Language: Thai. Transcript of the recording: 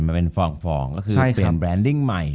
จบการโรงแรมจบการโรงแรม